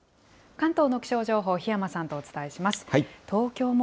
関東の気象情報、檜山さんとお伝えします。